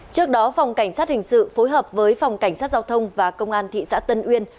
trước đó phòng cảnh sát hình sự phối hợp với phòng cảnh sát giao thông và công an thị xã tân uyên